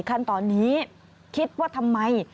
ขั้นตอนนี้คิดว่าทำไม